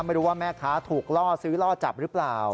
ไม่รู้ว่าแม่ค้าถูกล่อซื้อล่อจับหรือเปล่า